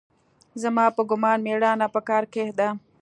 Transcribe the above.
زما په ګومان مېړانه په کار کښې ده.